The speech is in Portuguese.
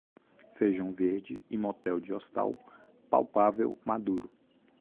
Feijão verde e motel de hostal, palpável maduro.